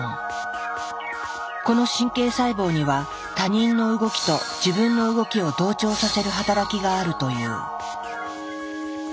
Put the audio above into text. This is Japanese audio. この神経細胞には他人の動きと自分の動きを同調させる働きがあるという。